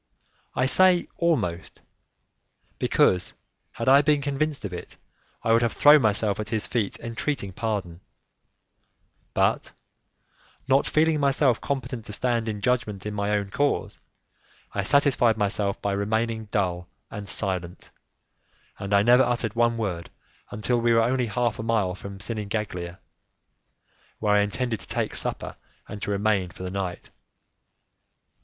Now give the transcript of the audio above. I say almost, because, had I been convinced of it, I would have thrown myself at his feet entreating pardon; but, not feeling myself competent to stand in judgment in my own cause, I satisfied myself by remaining dull and silent, and I never uttered one word until we were only half a mile from Sinigaglia, where I intended to take supper and to remain for the night.